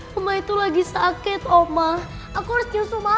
mama itu lagi sakit oma aku harus nyusul mama